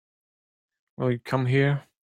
Will you come here?